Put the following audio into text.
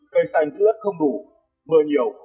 cây xanh giữ đất không đủ mưa nhiều